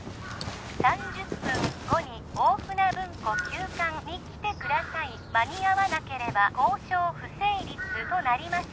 ３０分後に大船文庫旧館に来てください間に合わなければ交渉不成立となります